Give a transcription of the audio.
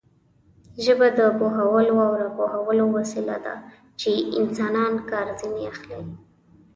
ژبه د پوهولو او راپوهولو وسیله ده چې انسانان کار ځنې اخلي.